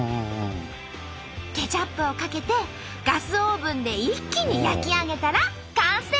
ケチャップをかけてガスオーブンで一気に焼き上げたら完成！